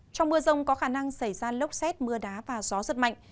trong mưa rông có khả năng xảy ra lốc xét mưa đá và gió giật mạnh